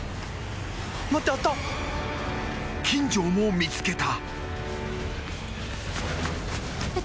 ［金城も見つけた］